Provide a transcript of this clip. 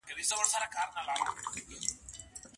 ډېر ږدن او پاڼي له کړکۍ څخه راتلل.